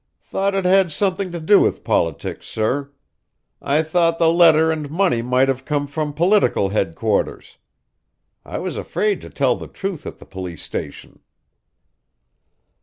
"Thought it had something to do with politics, sir. I thought the letter and money might have come from political headquarters. I was afraid to tell the truth at the police station."